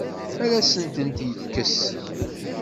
Ad asen-tent-yekkes?